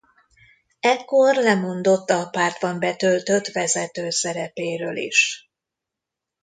Ekkor lemondott a pártban betöltött vezető szerepéről is.